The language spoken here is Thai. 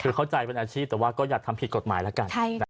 คือเข้าใจเป็นอาชีพแต่ว่าก็อยากทำผิดกฎหมายแล้วกัน